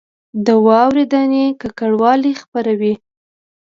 د واورې دانې ککړوالی خپروي